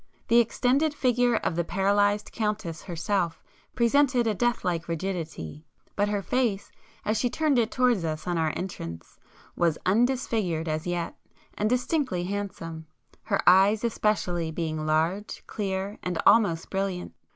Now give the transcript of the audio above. The extended figure of the paralysed Countess herself presented a death like rigidity; but her face as she turned it towards us on our entrance, was undisfigured as yet and distinctly handsome, her eyes especially being large, clear, and almost brilliant.